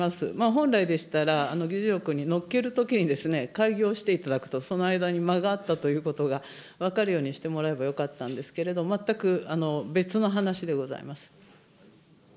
本来でしたら、議事録にのっけるときに改行していただくと、その間に間があったということが分かるようにしてもらえればよかったんですけども、全く別の話でございます。